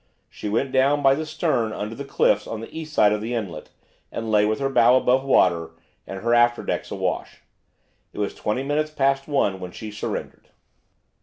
She went down by the stern under the cliffs on the east side of the inlet, and lay with her bow above water and her after decks awash. It was twenty minutes past one when she surrendered.